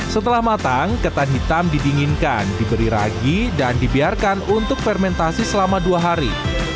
setelah matang ketan hitam didinginkan diberi ragi dan dibiarkan untuk fermentasi selama dua hari